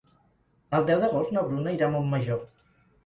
El deu d'agost na Bruna irà a Montmajor.